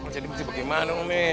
jadi mesti bagaimana umi